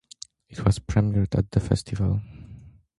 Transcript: It was premiered at the festival.